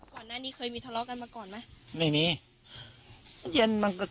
ก่อนหน้านี้เคยมีทะเลาะกันมาก่อนไหมไม่มีเย็นมันก็